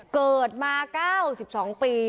เกิดมา๙๒ปี